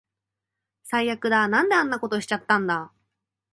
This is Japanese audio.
最悪だ。なんであんなことしちゃったんだ